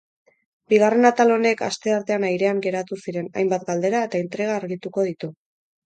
Bigarren atal honek asteartean airean geratu ziren hainbat galdera eta intriga agituko ditu.